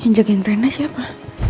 yang jagain rene siapa